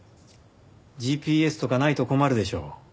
ＧＰＳとかないと困るでしょう。